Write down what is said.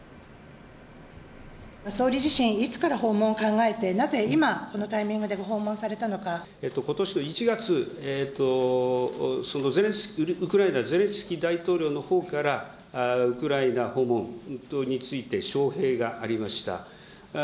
総理自身、いつから訪問を考えて、なぜ今、このタイミングでことしの１月、ウクライナ、ゼレンスキー大統領のほうからウクライナ訪問等について招へいがありました。